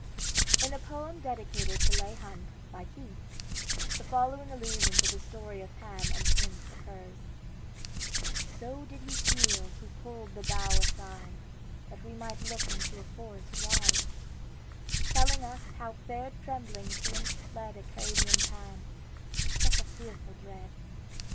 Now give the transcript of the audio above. In a poem dedicated to Leigh Hunt, by Keats, the following allusion to the story of Pan and Syrinx occurs: "So did he feel who pulled the bough aside, That we might look into a forest wide, Telling us how fair trembling Syrinx fled Arcadian Pan, with such a fearful dread.